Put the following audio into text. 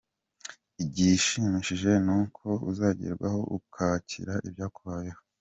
Igishimishije ni uko uzageraho ukakira ibyakubayeho.